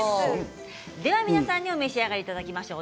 では皆さんにお召し上がりいただきましょう。